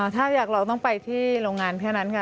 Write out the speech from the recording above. ถ้าอยากเราต้องไปที่โรงงานแค่นั้นค่ะ